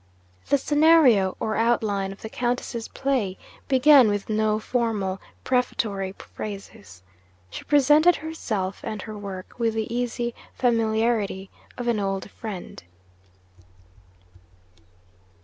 The scenario, or outline, of the Countess's play began with no formal prefatory phrases. She presented herself and her work with the easy familiarity of an old friend.